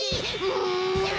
うん。